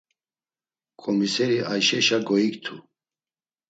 Ǩomiseri, Ayşeşa goiktu.